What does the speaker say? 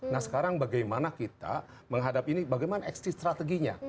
nah sekarang bagaimana kita menghadapi ini bagaimana exit strateginya